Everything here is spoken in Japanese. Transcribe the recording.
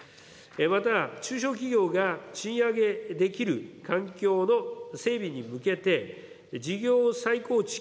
また、中小企業が賃上げできる環境の整備に向けて、事業再構築